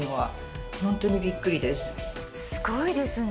すごいですね